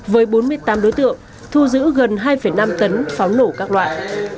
với bốn mươi tám đối tượng thu giữ gần hai năm tấn pháo nổ các loại